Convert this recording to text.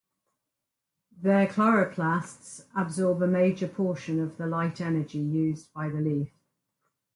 Their chloroplasts absorb a major portion of the light energy used by the leaf.